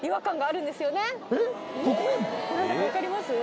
何だか分かります？